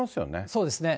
そうですね。